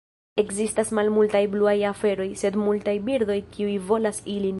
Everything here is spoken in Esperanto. Ekzistas malmultaj bluaj aferoj, sed multaj birdoj kiuj volas ilin.